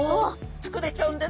つくれちゃうんです